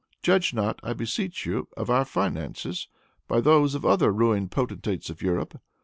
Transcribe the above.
Judge not, I beseech you, of our finances by those of the other ruined potentates of Europe.